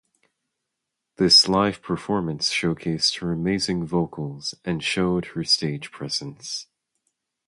This live performance showcased her amazing vocals and showed her stage presence.